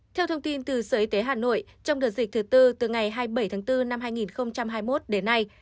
theo thông tin từ sở y tế hà nội trong đợt dịch thứ tư từ ngày hai mươi bảy tháng bốn năm hai nghìn hai mươi một đến nay